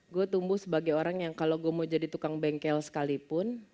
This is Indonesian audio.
gue tumbuh sebagai orang yang kalau gue mau jadi tukang bengkel sekalipun